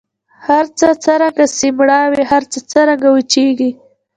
هرڅه څرنګه سي مړاوي هر څه څرنګه وچیږي